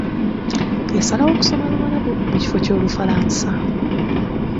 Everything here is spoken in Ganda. Yasalawo kusoma Luwalabu mu kifo ky'Olufalansa.